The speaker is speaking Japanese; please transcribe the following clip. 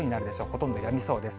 ほとんどやみそうです。